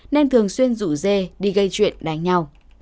nên thường xuyên rủ dê đi gây chuyện đánh nhau